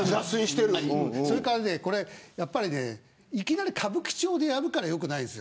それから、いきなり歌舞伎町でやるから良くないんです。